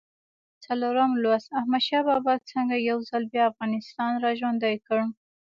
څلورم لوست: احمدشاه بابا څنګه یو ځل بیا افغانستان را ژوندی کړ؟